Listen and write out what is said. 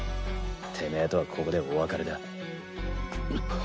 テメェとはここでお別れだ。